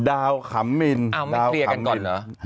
อ้าวไม่เคลียร์กันก่อนเหรอ